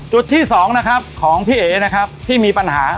จุดที่๒นะครับของพี่เอ๋นะครับที่มีปัญหา